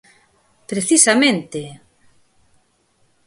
¡Precisamente!